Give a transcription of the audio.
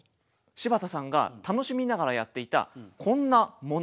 柴田さんが楽しみながらやっていたこんなもの。